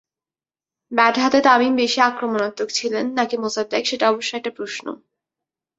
Bat হাতে তামিম বেশি আক্রমণাত্মক ছিলেন, নাকি মোসাদ্দেক, সেটা অবশ্য একটা প্রশ্ন।